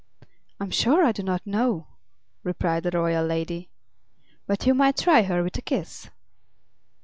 "I'm sure I do not know," replied the royal lady; "but you might try her with a kiss."